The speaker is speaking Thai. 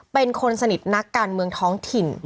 เป็นคนสนิทนักการเมืองท้องถิ่น